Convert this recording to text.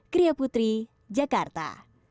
kriya putri jakarta